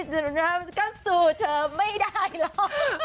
จนรับกับสู่เธอไม่ได้หรอก